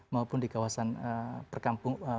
maupun di kawasan perkampung